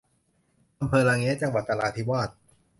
อำเภอระแงะ จังหวัดนราธิวาส